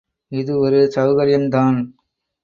இது ஒரு சவுகரியம்தான்.